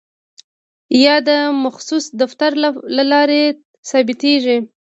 یا د مخصوص دفتر له لارې ثبتیږي.